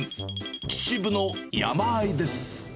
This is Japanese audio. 秩父の山あいです。